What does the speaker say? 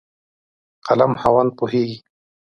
قلم خاوند پوهېږي.